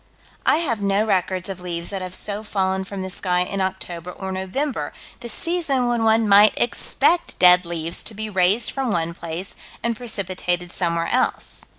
I have no records of leaves that have so fallen from the sky in October or November, the season when one might expect dead leaves to be raised from one place and precipitated somewhere else.